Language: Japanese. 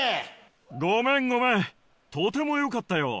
ごめんごめんとても良かったよ。